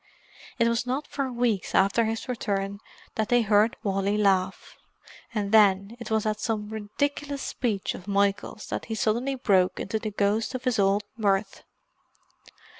It was not for weeks after his return that they heard Wally laugh; and then it was at some ridiculous speech of Michael's that he suddenly broke into the ghost of his old mirth.